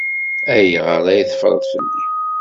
Ayɣeṛ ad teffreḍ fell-i?